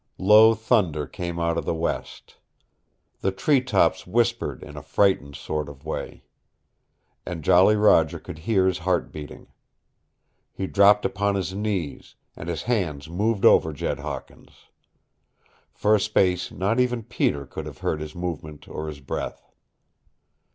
Low thunder came out of the west. The tree tops whispered in a frightened sort of way. And Jolly Roger could hear his heart beating. He dropped upon his knees, and his hands moved over Jed Hawkins. For a space not even Peter could have heard his movement or his breath.